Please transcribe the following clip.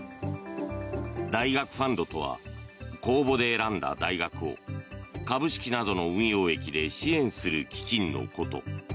大学ファンドとは公募で選んだ大学を株式などの運用益で支援する基金のこと。